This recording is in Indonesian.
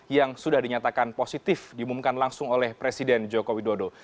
yang sudah dinyatakan positif diumumkan langsung oleh presiden joko widodo